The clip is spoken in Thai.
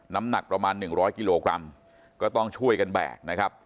น้ำหนักประมาณ๑๐๐กิโลกรัมก็ต้องช่วยกันแบกนะครับ